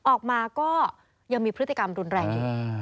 ออกมาก็ยังมีพฤติกรรมรุนแรงอยู่